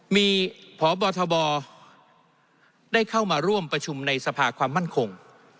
มีพบทบได้เข้ามาร่วมประชุมในสภาความมั่นคง